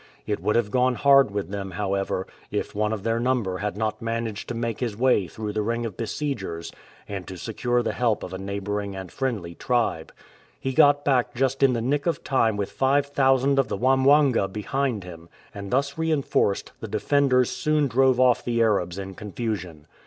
It would have gone hard with them, how ever, if one of their number had not managed to make his way through the ring of besiegers, and to secure the help of a neighbouring and friendly tribe. He got back just in the nick of time with five thousand of the Wam wanga behind him, and thus reinforced the defenders soon drove off the Arabs in confusion.